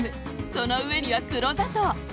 その上には黒砂糖。